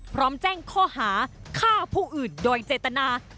พร้อมแจ้งข้อหาฆ่าผู้อื่นโดยเจตนา